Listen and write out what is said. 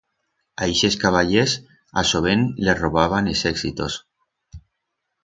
A ixes caballers a sobén les robaban els exitos.